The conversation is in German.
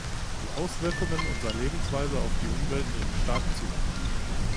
Die Auswirkungen unserer Lebensweise auf die Umwelt nehmen stark zu.